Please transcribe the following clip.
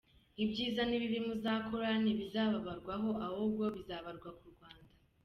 Ibyiza n’ibibi muzakora ntibizabarwaho ahubwo bizabarwa ku Rwanda.